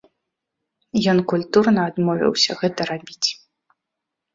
Ён культурна адмовіўся гэта рабіць.